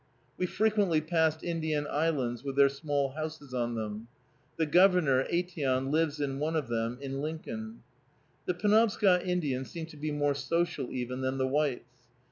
We frequently passed Indian islands with their small houses on them. The Governor, Aitteon, lives in one of them, in Lincoln. The Penobscot Indians seem to be more social, even, than the whites.